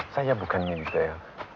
saya bukan militer